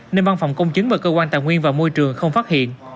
nên văn phòng công chứng và cơ quan tài nguyên và môi trường không phát hiện